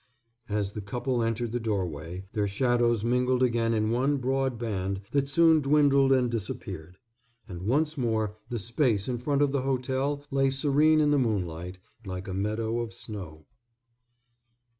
As the couple entered the doorway, their shadows mingled again in one broad band that soon dwindled and disappeared. And once more the space in front of the hotel lay serene in the moonlight, like a meadow of snow.